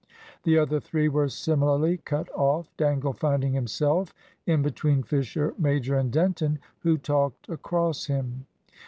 The other three were similarly cut off, Dangle finding himself in between Fisher major and Denton, who talked across him.